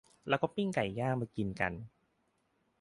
แล้วก็ปิ้งไก่ย่างมากินกัน